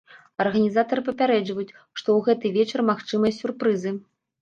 Арганізатары папярэджваюць, што ў гэты вечар магчымыя сюрпрызы.